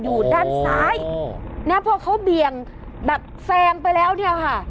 อยู่ด้านซ้ายนะพอเขาเบี่ยงแบบแซงไปแล้วเนี่ยค่ะ